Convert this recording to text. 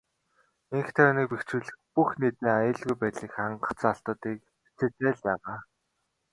Энх тайвныг бэхжүүлэх, бүх нийтийн аюулгүй байдлыг хангах заалтууд бичээтэй л байгаа.